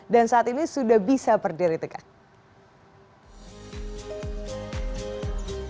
dan saat ini sudah bisa berdiri tegak